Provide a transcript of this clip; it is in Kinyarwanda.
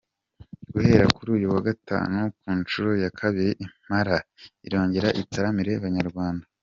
Guhera kuri uyu wa Gatanu ku nshuro ya kabiri Impara irongera itaramire Abanyarwanda